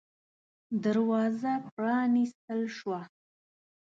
دروازه پًرانيستل شوه.